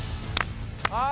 ああ！